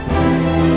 itu muda aku